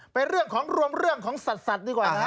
ไปเรื่องของรวมเรื่องสัตว์แรงด้วยก่อนน่ะ